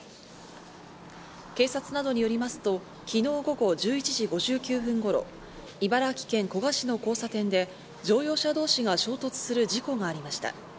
警察などによりますと昨日午後１１時５９分頃、茨城県古河市の交差点で、乗用車同士が衝突する事故がありました。